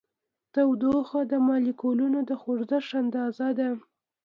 تودوخه د مالیکولونو د خوځښت اندازه ده.